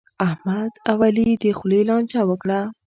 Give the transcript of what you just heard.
احمد او علي د خولې لانجه وکړه.